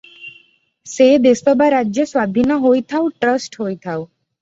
ସେ ଦେଶ ବା ରାଜ୍ୟ ସ୍ୱାଧୀନ ହୋଇଥାଉ ଟ୍ରଷ୍ଟ ହୋଇଥାଉ ।